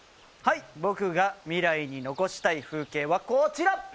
はい僕が未来に残したい風景はこちら！